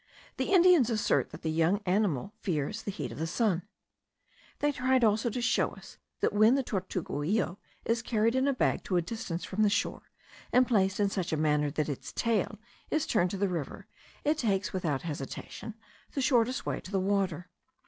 The Indians assert that the young animal fears the heat of the sun. They tried also to show us, that when the tortuguillo is carried in a bag to a distance from the shore, and placed in such a manner that its tail is turned to the river, it takes without hesitation the shortest way to the water.